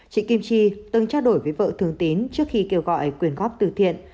trịnh kim chi từng trao đổi với vợ thương tín trước khi kêu gọi quyền góp từ thiện